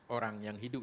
orang yang hidup